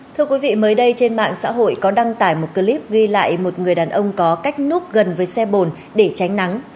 thưa quý vị mới đây trên mạng xã hội có đăng tải một clip ghi lại một người đàn ông có cách núp gần với xe bồn để tránh nắng